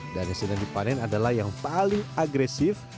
dan yang sedang dipanen adalah yang paling agresif